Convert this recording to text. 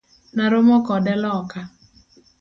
Naromo kode loka.